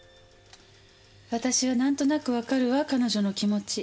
私は何となくわかるわ彼女の気持ち。